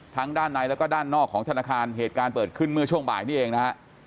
ด้านในแล้วก็ด้านนอกของธนาคารเหตุการณ์เกิดขึ้นเมื่อช่วงบ่ายนี้เองนะฮะ